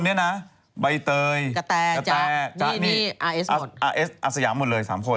หนูไม่เคยทำจริงนะพี่